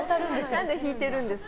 何で引いてるんですか。